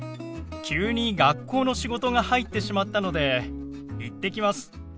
急に学校の仕事が入ってしまったので行ってきます。